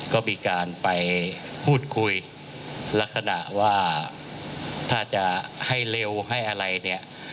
ก็มีการไปพูดคุยลักษณะว่าถ้าจะให้เร็วให้อะไรเนี่ย